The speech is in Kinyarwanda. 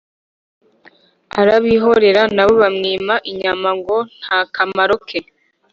arabihorera; na bo bamwima inyama ngo nta kamaro ke.